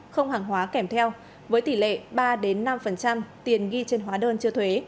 không hàng hóa kèm theo với tỷ lệ ba năm tiền ghi trên hóa đơn chưa thuế